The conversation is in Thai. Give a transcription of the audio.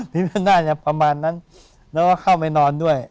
พิเภทหน้าเนี่ยประมาณนั้นแล้วก็เข้าไปนอนด้วย